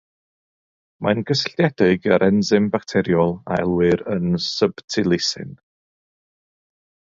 Mae'n gysylltiedig â'r ensym bacteriol a elwir yn subtilisin.